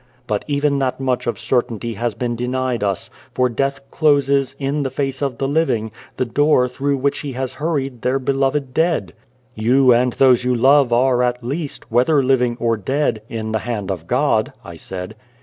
But even that much of certainty has been denied us, for Death closes, in the face of the living, the door through which he has hurried their beloved dead." "You, and those you love, are, at least whether living or dead in the hand of God," I said.